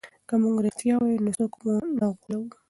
که موږ رښتیا ووایو نو څوک مو نه غولوي.